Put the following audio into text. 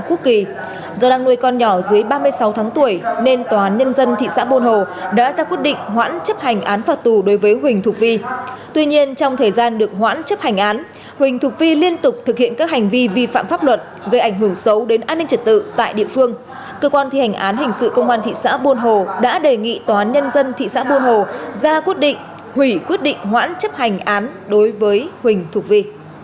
cơ quan hình sự công an thị xã buôn hồ đã đề nghị tòa án nhân dân thị xã buôn hồ ra quyết định hủy quyết định hoãn chấp hành án đối với huỳnh thục vi